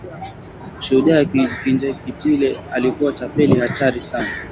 Shujaa Kinjekitile alikuwa tapeli hatari sana